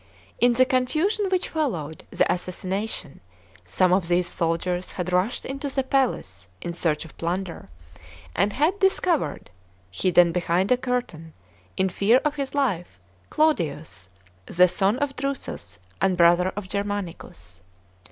In the confusion which follnw.d the assignation, some of these soldiers had rushed into the palace in search of plunder, and had discovered, 232 THE PRINCIPATE OF CLAUDIUS, CHAP. xv. hidden behind a curtain, in fear of his life, Claudius, the son of Drusus and brother of Germanicus.